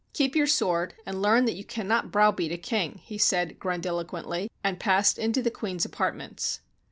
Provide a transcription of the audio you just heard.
Keep your sword, and learn that you cannot browbeat a king," he said grandilo quently, and passed into the queen's apartments.